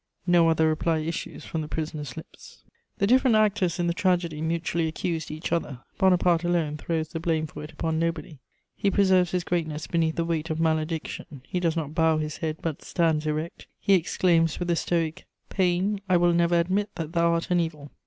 No other reply issues from the prisoner's lips. * [Sidenote: Bonaparte defended.] The different actors in the tragedy mutually accused each other: Bonaparte alone throws the blame for it upon nobody; he preserves his greatness beneath the weight of malediction; he does not bow his head but stands erect; he exclaims with the stoic, "Pain, I will never admit that thou art an evil!"